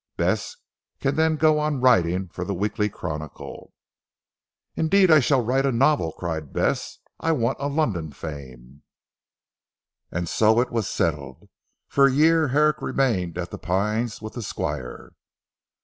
Bess can then go on writing for the 'Weekly Chronicle.'" "Indeed, I shall write a novel," cried Bess, "I want a London fame." And so it was settled. For a year Herrick remained at "The Pines" with the Squire.